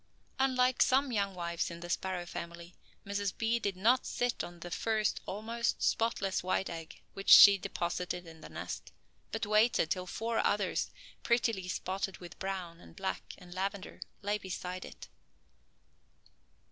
Unlike some young wives of the sparrow family, Mrs. B. did not sit on the first almost spotless white egg which she deposited in the nest, but waited till four others, prettily spotted with brown, and black, and lavender lay beside it.